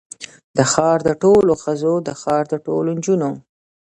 د ښار د ټولو ښځو، د ښار د ټولو نجونو